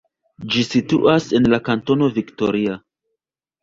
Ĝi situas en la kantono Victoria.